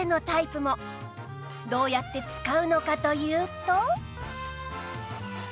どうやって使うのかというと